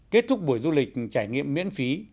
kết thúc buổi du lịch trải nghiệm miễn phí